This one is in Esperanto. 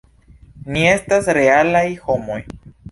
Ni estas realaj homoj.